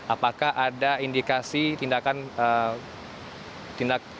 apakah ada indikasi tindakan